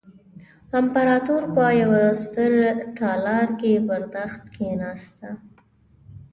امپراتور په یوه ستر تالار کې پر تخت کېناسته.